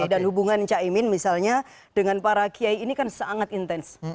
dan hubungan caimin misalnya dengan para kiai ini kan sangat intens